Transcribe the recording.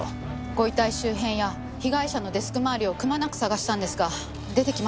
ご遺体周辺や被害者のデスク周りをくまなく捜したんですが出てきませんでした。